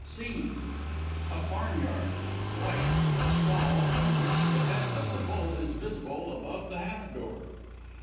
_ SCENE. A Farmyard. R. _a stall from which the head of the Bull is visible above the half door.